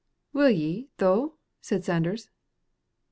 "Will ye, though?" said Sanders.